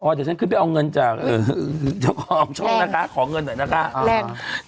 เดี๋ยวฉันขึ้นไปเอาเงินจากเจ้าของช่องนะคะขอเงินหน่อยนะคะ